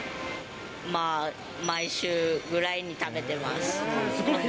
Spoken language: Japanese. まあ、毎週ぐらいに食べてますごいね。